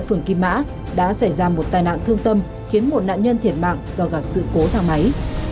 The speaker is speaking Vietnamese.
phường kim mã đã xảy ra một tai nạn thương tâm khiến một nạn nhân thiệt mạng do gặp sự cố thang máy